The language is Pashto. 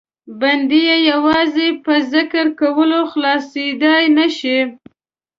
بنده یې یوازې په ذکر کولو خلاصېدای نه شي.